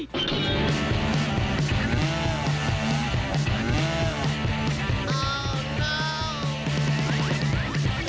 โอ้น้าว